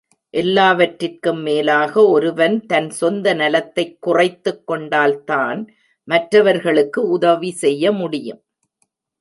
எல்லாவற்றிற்கும் மேலாக ஒருவன் தன் சொந்த நலத்தைக் குறைத்துக் கொண்டால் தான் மற்றவர்களுக்கு உதவி செய்ய முடியும்.